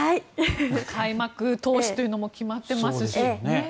開幕投手というのも決まっていますしね。